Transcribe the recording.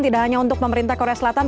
tidak hanya untuk pemerintah korea selatan